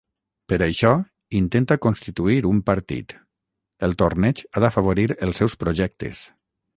Per això, intenta constituir un partit: el torneig ha d'afavorir els seus projectes.